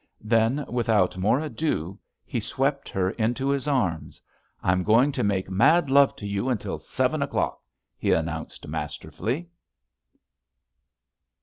Then, without more ado, he swept her into his arms. "I'm going to make mad love to you until seven o'clock," he announced masterfully.